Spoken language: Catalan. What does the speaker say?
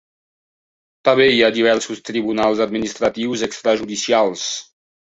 També hi ha diversos tribunals administratius extrajudicials.